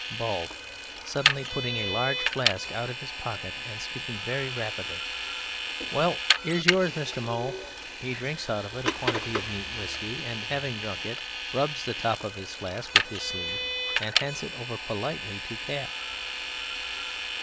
BALD (suddenly pulling a large flask out of his pocket and speaking very rapidly): Well, here's yours, Mr. Mowle. (_He drinks out of it a quantity of neat whisky, and having drunk it rubs the top of his flask with his sleeve and hands it over politely to_) CAP.